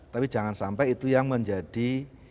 tapi jangan sampai itu yang menjadi